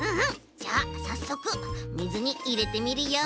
じゃあさっそくみずにいれてみるよ。